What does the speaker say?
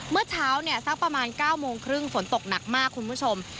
เมื่อเช้าเนี่ยสักประมาณ๙โมงครึ่งฝนตกหนักมากคุณผู้ชม